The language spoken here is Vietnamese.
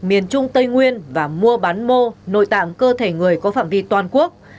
miền trung tây nguyên và mua bán mô nội tạng cơ thể người có phạm vi toàn quốc